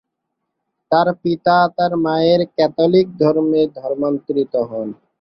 তার পিতা তার মায়ের ক্যাথলিক ধর্মে ধর্মান্তরিত হন।